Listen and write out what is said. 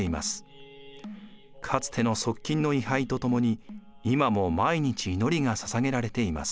かつての側近の位はいとともに今も毎日祈りがささげられています。